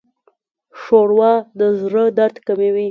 ښوروا د زړه درد کموي.